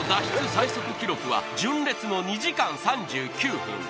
最速記録は純烈の２時間３９分